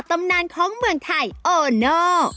ตำนานของเมืองไทยโอโน่